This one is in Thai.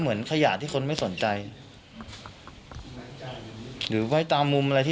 จากนั้นก็จะนำมาพักไว้ที่ห้องพลาสติกไปวางเอาไว้ตามจุดนัดต่าง